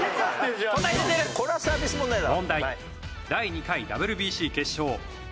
これはサービス問題だろ。